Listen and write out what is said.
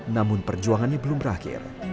namun perjuangannya belum berakhir